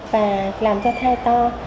và làm cho thai to